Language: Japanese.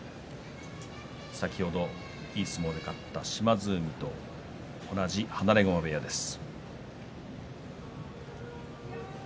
先ほど、いい相撲で勝った島津海と同じ放駒部屋です。